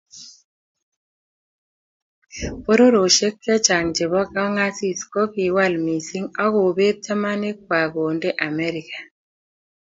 Pororiosiek chechang chebo kongasis kokiwal missing akobet chamanik kwai kondoe Amerika